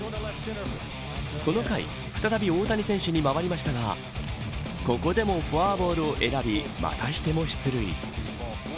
この回、再び大谷選手に回りましたがここでもフォアボールを選びまたしても出塁。